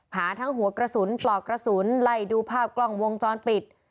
หาทั้งหัวกระสุนปลอกกระสุนไล่ดูภาพกล้องวงจรปิด